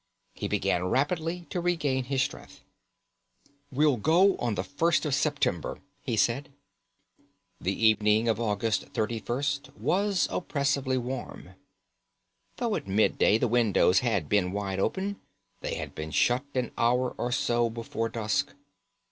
He began rapidly to regain his strength. "We'll go on the first of September," he said. The evening of August 31st was oppressively warm. Though at midday the windows had been wide open, they had been shut an hour or so before dusk.